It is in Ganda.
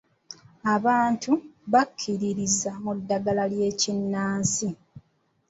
Abantu bakkiririza mu ddagala ly'ekinnansi.